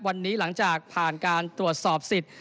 วันนี้หลังจากผ่านการตรวจสอบสิทธิ์